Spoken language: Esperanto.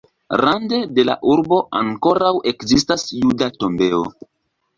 Rande de la urbo ankoraŭ ekzistas juda tombejo.